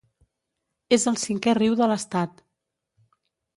És el cinquè riu de l'estat.